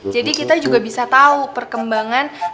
jadi kita juga bisa tahu perkembangan